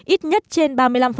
ít nhất trên ba mươi năm